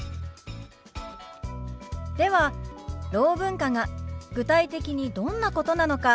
ではろう文化が具体的にどんなことなのか